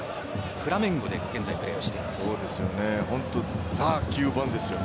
現在、フラメンゴでプレーしています。